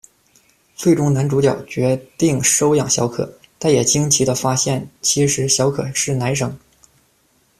最终男主角决定收养小可，但也惊奇地发现其实小可是男生。